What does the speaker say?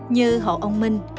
như hộ ông minh